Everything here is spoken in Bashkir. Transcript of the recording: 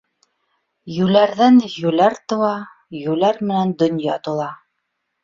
Йүләрҙән йүләр тыуа, йүләр менән донъя тула.